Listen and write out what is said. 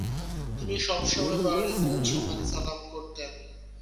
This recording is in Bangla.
তিনি সবসসময় বাড়ি পৌঁছে মাকে সালাম করতেন।